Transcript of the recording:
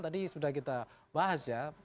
tadi sudah kita bahas ya